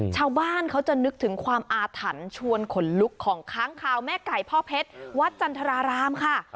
ชาวบ้านเขาจะนึกถึงความอาถรรพ์ชวนขนลุกของค้างคาวแม่ไก่พ่อเพชรวัดจันทรารามค่ะ